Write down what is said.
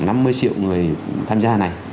năm mươi triệu người tham gia này